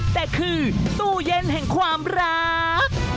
แต่คือตู้เย็นแห่งความรัก